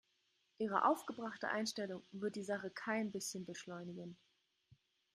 Ihre aufgebrachte Einstellung wird die Sache kein bisschen beschleunigen.